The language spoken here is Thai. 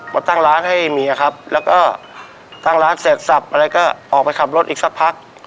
มาตั้งร้านให้เมียครับแล้วก็ตั้งร้านเสร็จสับอะไรก็ออกไปขับรถอีกสักพัก